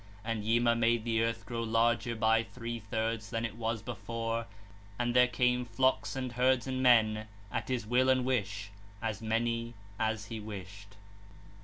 19 (37). And Yima made the earth grow larger by three thirds than it was before, and there came flocks and herds and men, at his will and wish, as many as he wished.